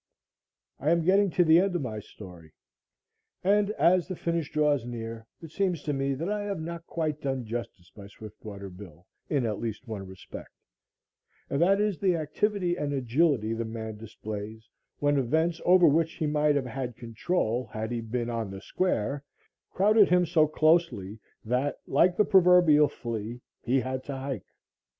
I AM getting to the end of my story, and as the finish draws near, it seems to me, that I have not quite done justice by Swiftwater Bill, in at least one respect and that is the activity and agility the man displays when events over which he might have had control, had he been on the square, crowded him so closely, that like the proverbial flea, he had to hike.